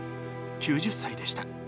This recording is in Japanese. ９０歳でした。